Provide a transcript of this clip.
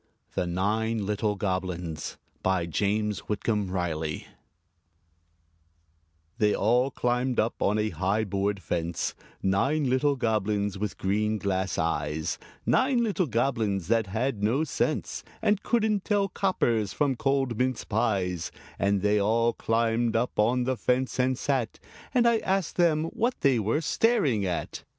THE NINE LITTLE GOBLINS BY JAMES WHITCOMB RILEY They all climbed up on a high board fence Nine little Goblins, with green glass eyes Nine little Goblins that had no sense, And couldn't tell coppers from cold mince pies; And they all climbed up on the fence, and sat And I asked them what they were staring at.